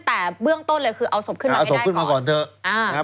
แต่เบื้องต้นเลยคือเอาสบขึ้นมาไม่ได้ก่อน